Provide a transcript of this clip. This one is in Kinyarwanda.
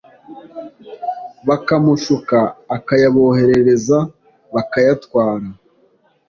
bakamushuka akayaboherereza bakayatwara